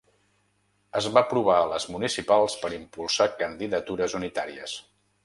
Es va provar a les municipals per impulsar candidatures unitàries.